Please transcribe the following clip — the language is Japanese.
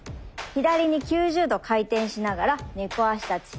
左に９０度回転しながら猫足立ち。